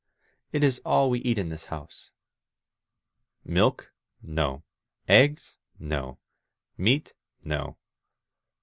It is all we eat in this house. ,••" Milk? No. Eggs? No. Meat? No.